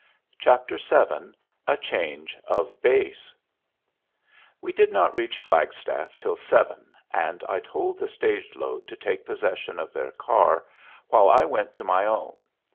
CHAPTER VII A CHANGE OF BASE We did not reach Flagstaff till seven, and I told the stage load to take possession of their car, while I went to my own.